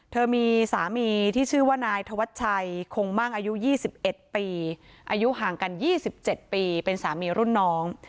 เธอมีสามีที่ชื่อว่านายธวัชชัยคงมั่งอายุ๒๑ปีอายุห่างกัน๒๗ปีเป็นสามีรุ่นน้อง